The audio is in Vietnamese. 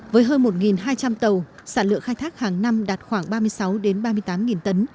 với hơn một hai trăm linh tàu sản lượng khai thác hàng năm đạt khoảng ba mươi sáu ba mươi tám tấn